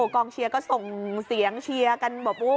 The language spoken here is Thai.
กองเชียร์ก็ส่งเสียงเชียร์กันแบบ